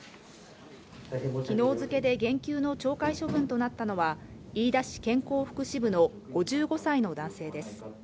きのう付けで減給の懲戒処分となったのは、飯田市健康福祉部の５５歳の男性です。